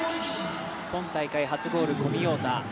今大会初ゴール、小見洋太。